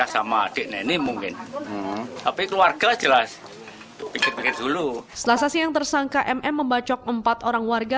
setelah sasiang tersangka mm membacok empat orang warga